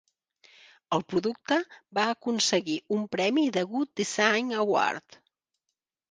El producte va aconseguir un premi de Good Design Award.